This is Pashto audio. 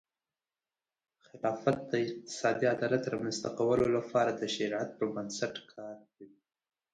خلافت د اقتصادي عدالت رامنځته کولو لپاره د شریعت پر بنسټ کار کوي.